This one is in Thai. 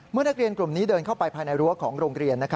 นักเรียนกลุ่มนี้เดินเข้าไปภายในรั้วของโรงเรียน